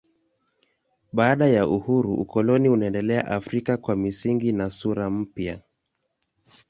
Baada ya uhuru ukoloni unaendelea Afrika kwa misingi na sura mpya.